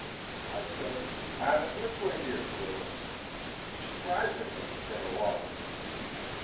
I said, "Hammond, let's wait here for a lift." Surprisingly he came along with me.